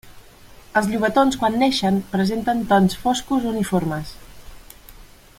Els llobatons quan neixen presenten tons foscos uniformes.